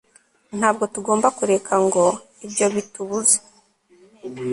ntabwo tugomba kureka ngo ibyo bitubuze